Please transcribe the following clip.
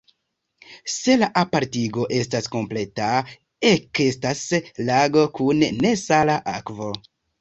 Se la apartigo estas kompleta, ekestas lago kun nesala akvo.